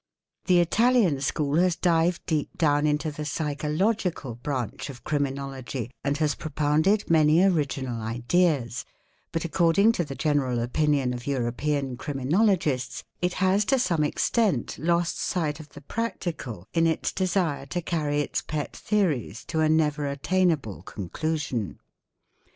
The Italian School has dived deep down into the psychological branch of 'criminology and has propounded many original ideas, but according to | the general opinion of Kuropean criminologists it has to some extent 'lost sight of the practical in its desire to carry its pet theories to a "never attainable conclusion.